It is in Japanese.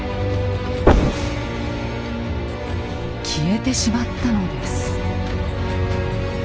消えてしまったのです。